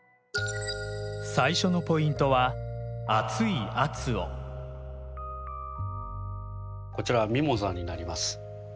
最初のポイントはこちらはミモザになります。